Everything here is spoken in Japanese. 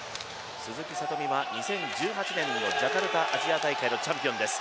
鈴木聡美は２０１８年のジャカルタアジア大会のチャンピオンです。